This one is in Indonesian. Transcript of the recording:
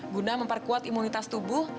guna memperkuat imunitas tubuh